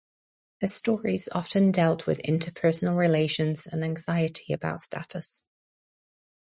Her stories often dealt with interpersonal relations and anxiety about status.